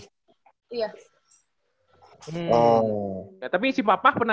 iya tapi si papa pernah